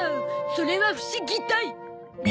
それは不思議たい！